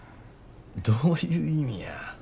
どういう意味や。